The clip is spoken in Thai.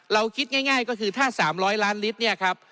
คิดง่ายก็คือถ้า๓๐๐ล้านลิตรเนี่ยครับ